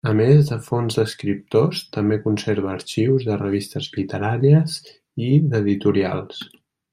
A més de fons d'escriptors, també conserva arxius de revistes literàries i d'editorials.